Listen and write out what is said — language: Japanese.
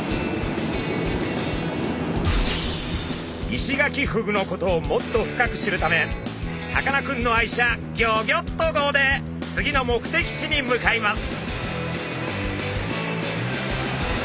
イシガキフグのことをもっと深く知るためさかなクンの愛車ギョギョッと号で次の目的地に向かいます。